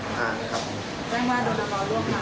หลังจากที่มาส่งแล้วก็คือ